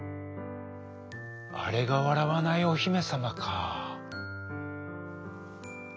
「あれがわらわないおひめさまか」。